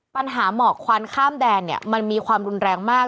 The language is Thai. ปัญหาหมอกควันข้ามแดนเนี่ยมันมีความรุนแรงมาก